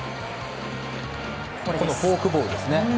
フォークボールですね。